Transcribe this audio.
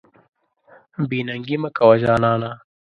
بې ننګي مه کوه جانانه.